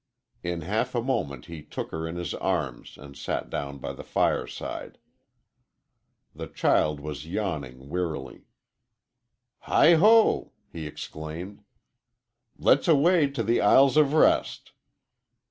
In half a moment he took her in his arms and sat down by the fireside. The child was yawning wearily. "Heigh ho!" he exclaimed; "let's away to the Isles of Rest."